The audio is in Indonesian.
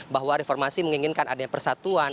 bahwa reformasi menginginkan adanya persatuan